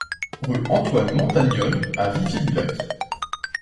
Rue Antoine Montagnole à Viviers-du-Lac